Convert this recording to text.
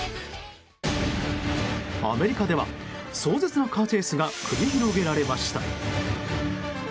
アメリカでは壮絶なカーチェイスが繰り広げられました。